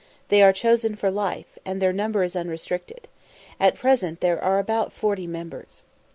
They are chosen for life, and their number is unrestricted. At present there are about forty members.